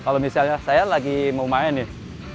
kalau misalnya saya lagi mau main nih